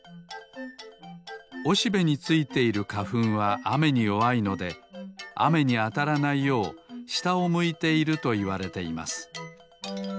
おしべについているかふんはあめによわいのであめにあたらないようしたをむいているといわれています。